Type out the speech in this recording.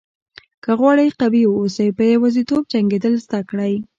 که غواړئ قوي واوسئ په یوازیتوب جنګېدل زده کړئ.